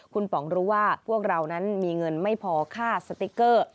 คุณป๋องรู้ว่าพวกเรานั้นมีเงินไม่พอค่าสติ๊กเกอร์